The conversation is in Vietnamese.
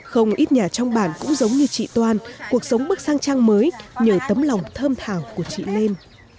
không ít nhà trong bản cũng giống như chị toan cuộc sống bước sang trang mới nhờ tấm lòng thơm thảo của chị lên